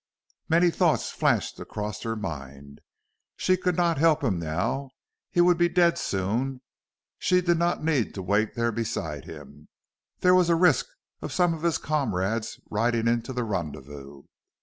Many thoughts flashed across her mind. She could not help him now; he would be dead soon; she did not need to wait there beside him; there was a risk of some of his comrades riding into that rendezvous.